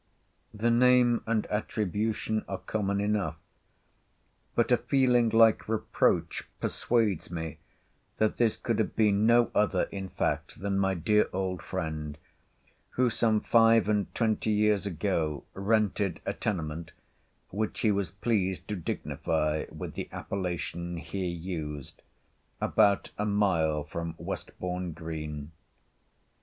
The name and attribution are common enough; but a feeling like reproach persuades me, that this could have been no other in fact than my dear old friend, who some five and twenty years ago rented a tenement, which he was pleased to dignify with the appellation here used, about a mile from Westbourn Green.